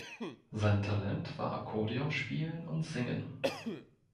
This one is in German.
Sein Talent war Akkordeon spielen und singen.